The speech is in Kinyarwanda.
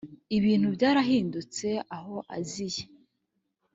ibintu byarahindutse aho aziye.